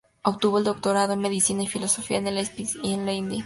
Obtuvo el doctorados en medicina y filosofía, en Leipzig y en Leiden.